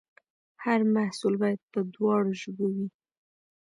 هر محصول باید په دواړو ژبو وي.